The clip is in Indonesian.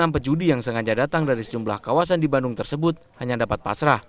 enam pejudi yang sengaja datang dari sejumlah kawasan di bandung tersebut hanya dapat pasrah